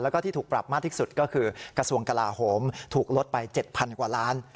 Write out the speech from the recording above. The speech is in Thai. แล้วก็ที่ถูกปรับมากที่สุดก็คือกระทรวงกลาโหมถูกลดไป๗๐๐กว่าล้าน